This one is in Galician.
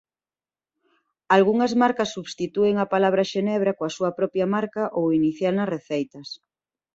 Algunhas marcas substitúen a palabra "xenebra" coa súa propia marca ou inicial nas receitas.